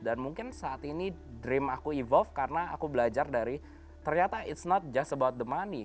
dan mungkin saat ini dream aku evolve karena aku belajar dari ternyata it's not just about the money